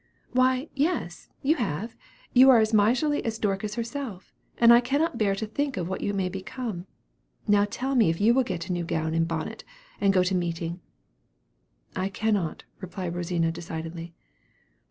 "Why yes, you have; you are as miserly now as Dorcas herself; and I cannot bear to think of what you may become. Now tell me if you will not get a new gown and bonnet, and go to meeting?" "I cannot," replied Rosina, decidedly.